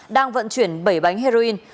đang vận chuyển bảy bánh heroin